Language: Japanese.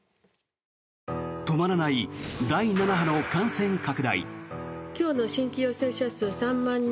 止まらない第７波の感染拡大。